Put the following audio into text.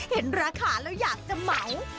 เห็นราคาแล้วอยากจะเหมา